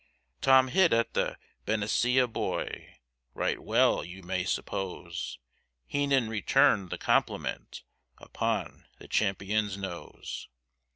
Tom hit at the Benicia boy Right well you may suppose, Heenan returned the compliment Upon the champion's nose.